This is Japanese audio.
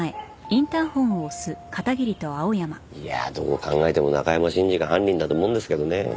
いやどう考えても中山信二が犯人だと思うんですけどねえ。